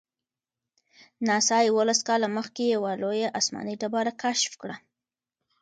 ناسا یوولس کاله مخکې یوه لویه آسماني ډبره کشف کړه.